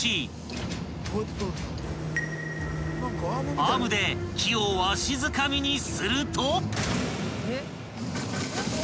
［アームで木をわしづかみにすると］